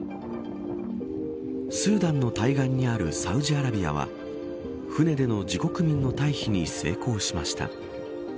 スーダンの対岸にあるサウジアラビアは船での自国民の退避に成功しました。